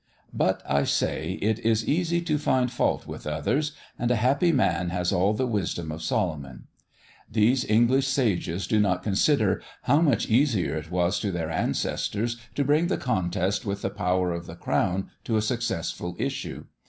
But I say, it is easy to find fault with others, and a happy man has all the wisdom of Solomon. These English sages do not consider how much easier it was to their ancestors to bring the contest with the power of the crown to a successful issue.